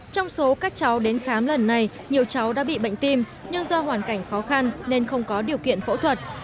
trong số các cháu đến khám lần này nhiều cháu đã bị bệnh tim nhưng do hoàn cảnh khó khăn nên không có điều kiện phẫu thuật